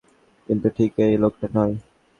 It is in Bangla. কিন্তু ঠিক এই লোকটা নয়।